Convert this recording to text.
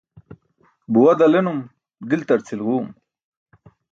Buwa dalenum, diltar cilġuum.